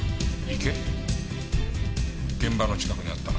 池現場の近くにあったな。